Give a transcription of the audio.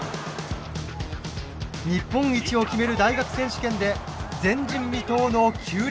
日本一を決める大学選手権で前人未到の９連覇。